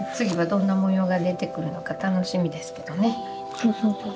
そうそうそう。